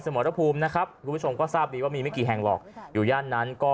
สมรภูมินะครับคุณผู้ชมก็ทราบดีว่ามีไม่กี่แห่งหรอกอยู่ย่านนั้นก็